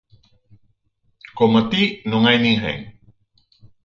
Coma ti, non hai ninguén.